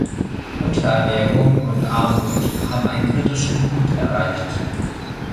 Unterernährung und Armut haben einen kritischen Punkt erreicht.